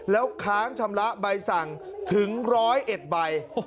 แล้วค้างชำระใบสั่งถึงร้อยเอ็ดใบ